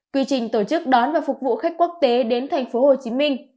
quy trình tổ chức đón và phục vụ khách quốc tế đến tp hcm